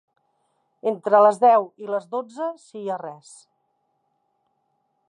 Entre les deu i les dotze si hi ha res.